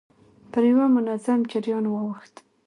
پر يوه منظم جريان واوښت.